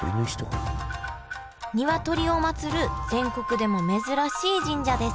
ニワトリを祭る全国でも珍しい神社です